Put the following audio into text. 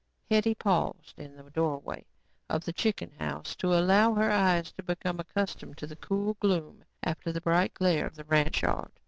Hetty paused in the doorway of the chicken house to allow her eyes to become accustomed to the cool gloom after the bright glare of the ranch yard.